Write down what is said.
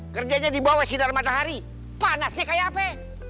kerjanya di bawah sinar matahari panasnya kayak apa